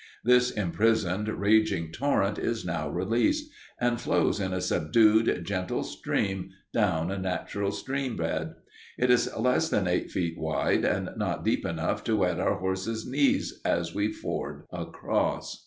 This imprisoned, raging torrent is now released, and flows in a subdued, gentle stream down a natural stream bed. It is less than eight feet wide and not deep enough to wet our horses' knees as we ford across.